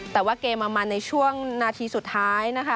แต่ว่าเกมอมันในช่วงนาทีสุดท้ายนะคะ